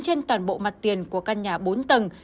trên toàn bộ mặt tiền của căn nhà bốn tầng